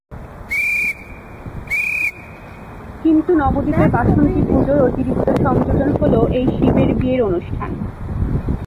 কিন্তু, নবদ্বীপের বাসন্তী পুজোয় অতিরিক্ত সংযোজন হলো এই শিবের বিয়ের অনুষ্ঠান।